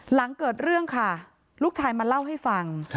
หลังเกิดเรื่องค่ะลูกชายมาเล่าให้ฟัง